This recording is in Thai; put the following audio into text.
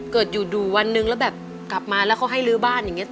เกิดอยู่วันนึงแล้วแบบกลับมาแล้วเขาให้ลื้อบ้านอย่างนี้